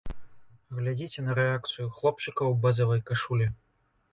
Глядзіце на рэакцыю хлопчыка ў бэзавай кашулі.